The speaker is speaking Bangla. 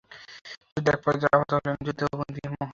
যুদ্ধের এক পর্যায়ে আহত হলে যুদ্ধবন্দী হন।